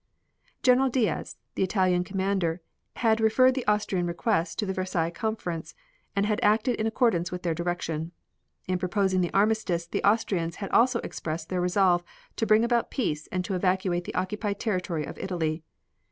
General Diaz, the Italian Commander, had referred the Austrian request to the Versailles Conference, and had acted in accordance with their direction. In proposing the armistice the Austrians had also expressed their resolve to bring about peace and to evacuate the occupied territory of Italy.